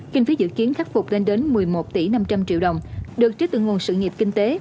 kinh phí dự kiến khắc phục lên đến một mươi một tỷ năm trăm linh triệu đồng được trí từ nguồn sự nghiệp kinh tế